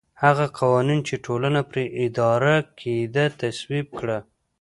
هغه قوانین چې ټولنه پرې اداره کېده تصویب کړل